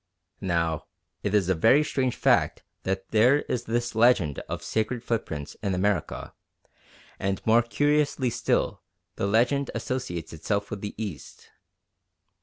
Now it is a very strange fact that there is this legend of sacred footprints in America, and more curiously still, the legend associates itself with the East.